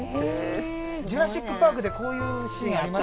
『ジュラシック・パーク』でこういうシーンあった。